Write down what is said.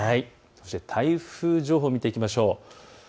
そして台風情報を見ていきましょう。